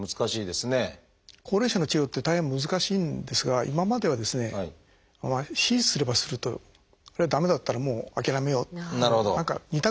高齢者の治療って大変難しいんですが今まではですね手術すればするとあるいは駄目だったらもう諦めようと何か２択だったんですね。